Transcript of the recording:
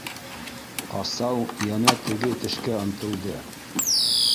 Ҡасау йәнә теге тешкә ынтылды.